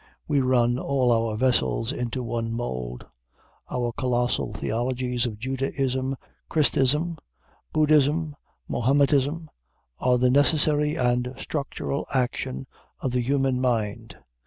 We run all our vessels into one mould. Our colossal theologies of Judaism, Christism, Buddhism, Mahometism, are the necessary and structural action of the human mind.